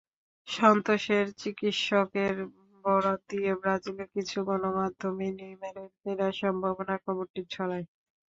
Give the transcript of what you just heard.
সান্তোসের চিকিত্সকদের বরাত দিয়ে ব্রাজিলের কিছু গণমাধ্যমেই নেইমারের ফেরার সম্ভাবনার খবরটি ছড়ায়।